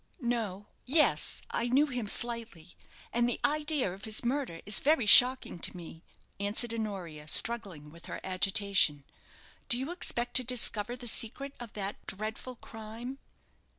"No yes, I knew him slightly; and the idea of his murder is very shocking to me," answered Honoria, struggling with her agitation. "Do you expect to discover the secret of that dreadful crime?"